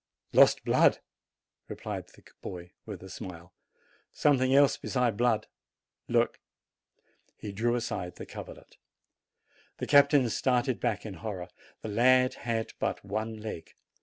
"Lost blood!" replied the boy, with a smile. "Something else besides blood. Look!" He drew aside the coverlet. The captain started back in horror. The lad had but one leg.